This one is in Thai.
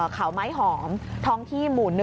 เขาไม้หอมท้องที่หมู่๑